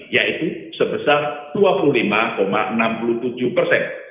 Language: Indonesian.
yaitu sebesar dua puluh lima enam puluh tujuh persen